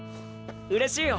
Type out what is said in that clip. うれしいよ。